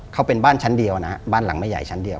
เขาเป็นบ้านชั้นเดียวนะฮะบ้านหลังไม่ใหญ่ชั้นเดียว